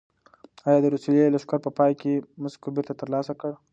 ایا د روسیې لښکر په پای کې مسکو بېرته ترلاسه کړ؟